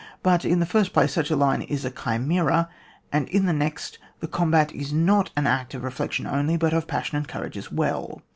But, in the first place, such a line is a chimera ; and, in the next, the com bat is not an act of reflection only, but of passion and courage as well.